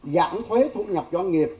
giảm thuế thu nhập doanh nghiệp